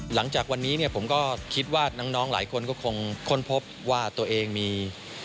หลังจากวันนี้เนี่ยผมก็คิดว่าน้องหลายคนก็คงค้นพบว่าตัวเองมี